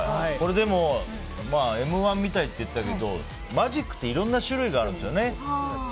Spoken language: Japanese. でも、「Ｍ‐１」みたいって言ったけどマジックっていろんな種類があるんですよね。